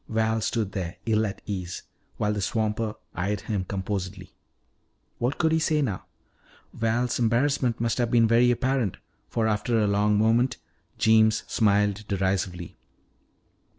Val stood there, ill at ease, while the swamper eyed him composedly. What could he say now? Val's embarrassment must have been very apparent, for after a long moment Jeems smiled derisively.